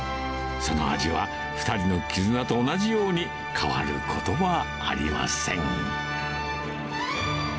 その味は、２人の絆と同じように、変わることはありません。